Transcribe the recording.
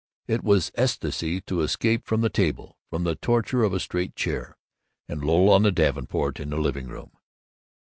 It was ecstasy to escape from the table, from the torture of a straight chair, and loll on the davenport in the living room.